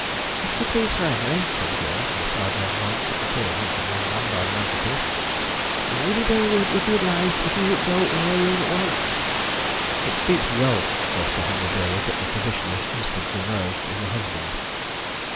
"If you please, Sir Henry," said the girl, with a sidelong glance at the tall handsome young man by the mantelpiece, "Lady Durwood would be obliged if you would go to her room at once." It speaks well for Sir Henry Durwood that the physician was instantly merged in the husband.